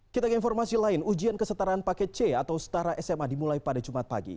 kita ke informasi lain ujian kesetaraan paket c atau setara sma dimulai pada jumat pagi